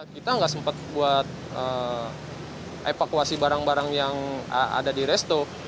kita nggak sempat buat evakuasi barang barang yang ada di resto